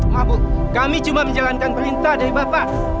maaf bu kami cuma menjalankan perintah dari bapak